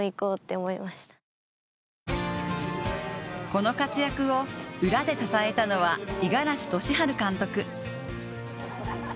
この活躍を裏で支えたのは五十嵐利治監督。